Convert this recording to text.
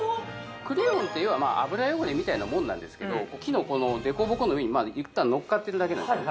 クレヨンって要は油汚れみたいなものなんですけど木の凸凹の上にいったんのっかってるだけなんですよね